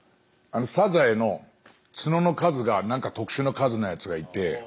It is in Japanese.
サザエの角の数がなんか特殊な数のやつがいて。